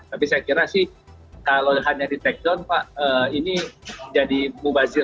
tapi saya kira sih kalau hanya di take down pak ini jadi mubazir